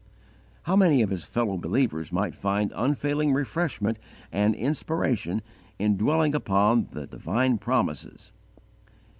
How many of his fellow believers might find unfailing refreshment and inspiration in dwelling upon the divine promises!